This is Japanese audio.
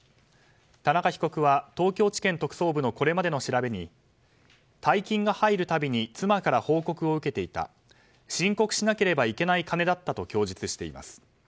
田中被告は東京地検特捜部のこれまでの調べに大金が入る度に妻から報告を受けていた申告しなければいけない金だったと供述しています。